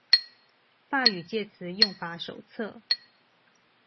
法語介詞用法手冊